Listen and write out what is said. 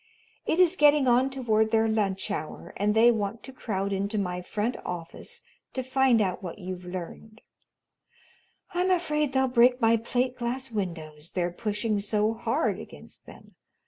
"It is getting on toward their lunch hour, and they want to crowd into my front office to find out what you've learned. I'm afraid they'll break my plate glass windows, they're pushing so hard against them.